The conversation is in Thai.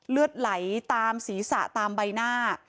เลือดไหลตามศีรษะตามใบหน้า